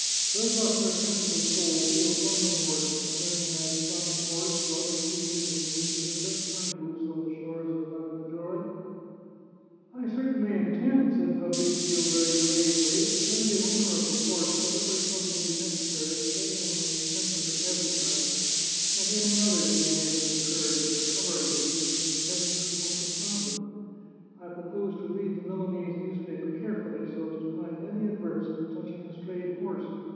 Does not your sensitive soul feel some remorse concerning that fine horse, rather too lean, which you have just turned loose on the shores of the Maggiore ?"" I certainly intend," said Fabrizio very gravely, " to send the owner of the horse whatever sum may be necessary to pay him the expenses of advertising, and any others he may have incurred in recovering the beast from the peasants who must have found it. I propose to read the Milanese newspaper carefully, so as to find any advertisement touch ing a strayed horse.